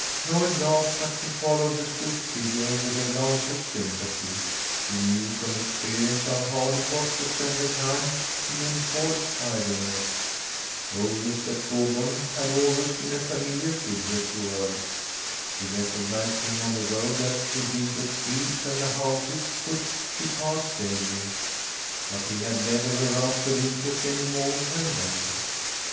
Lloyd laughed, but she followed the stooped figure with a glance of sympathy. She knew from experience how hard it was to spend the time in enforced idleness. Old Mr. Coburn had always been a familiar figure to her. She recognized him on the road as she did the trees and the houses which she passed daily, but he had never aroused her interest any more than they.